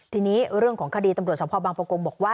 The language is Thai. ทีนี้เรื่องของคดีตำรวจสมภาพบางประกงบอกว่า